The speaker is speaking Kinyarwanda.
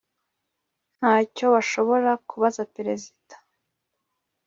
nta cyo bashobora kubaza perezida